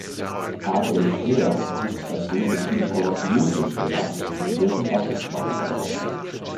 Adolf Heer wuchs als Sohn des Bildhauers Joseph Heer in Vöhrenbach im Schwarzwald auf.